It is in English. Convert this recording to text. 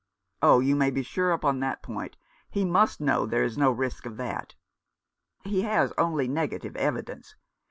"Oh, you may be sure upon that point He must know there is no risk of that." " He has only negative evidence.